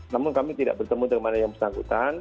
namun kami tidak bertemu dengan yang bersangkutan